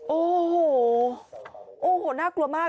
โอ้โหโอ้โหน่ากลัวมาก